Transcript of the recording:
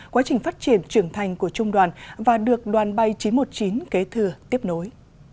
quá trình phát triển trưởng thành của trung đoàn và được đoàn bay chín trăm một mươi chín kế thừa tiếp nối